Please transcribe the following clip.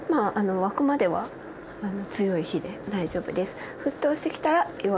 沸くまでは強い火で大丈夫です。